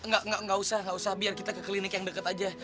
nggak usah nggak usah biar kita ke klinik yang deket aja